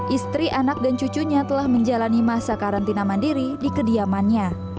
istri anak dan cucunya telah menjalani masa karantina mandiri di kediamannya